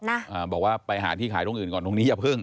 อ่าบอกว่าไปหาที่ขายตรงอื่นก่อนตรงนี้อย่าเพิ่ง